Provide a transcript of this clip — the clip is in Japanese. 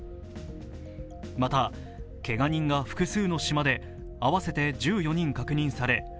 また、けが人が複数の島で合わせて１４人、確認され